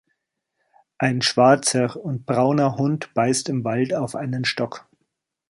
Ein schwarzer und brauner Hund beißt im Wald auf einen Stock.